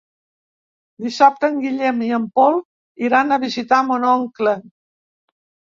Dissabte en Guillem i en Pol iran a visitar mon oncle.